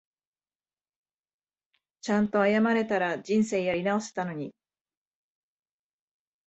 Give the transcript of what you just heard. ちゃんと謝れたら人生やり直せたのに